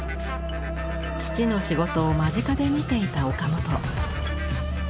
父の仕事を間近で見ていた岡本。